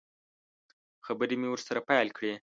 خبرې مې ورسره پیل کړې.